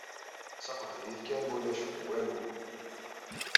D taqbaylit kan mulac walu!